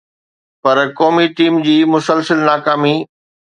پر قومي ٽيم جي مسلسل ناڪامي